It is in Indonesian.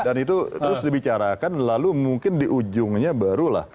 dan itu terus dibicarakan lalu mungkin di ujungnya baru lah